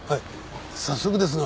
早速ですが。